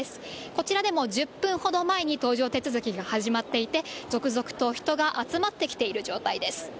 こちらでも１０分ほど前に搭乗手続きが始まっていて、続々と人が集まってきている状態です。